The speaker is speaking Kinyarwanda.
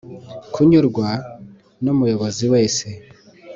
kunyurwa n umuyobozi wese